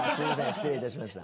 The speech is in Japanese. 失礼いたしました